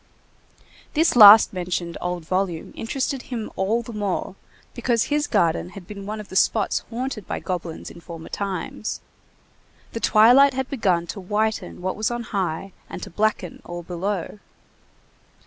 This last mentioned old volume interested him all the more, because his garden had been one of the spots haunted by goblins in former times. The twilight had begun to whiten what was on high and to blacken all below.